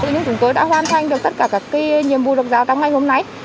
nhưng chúng tôi đã hoàn thành được tất cả các nhiệm vụ độc giáo trong ngày hôm nay